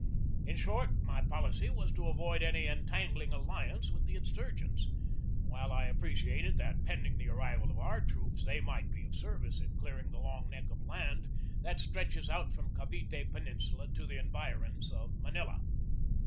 In short, my policy was to avoid any entangling alliance with the insur gents, while I appreciated that, pending the arrival of our troops, they might be of service in clearing the long neck of land that stretches out from Cavite Peninsula to the environs of Manila.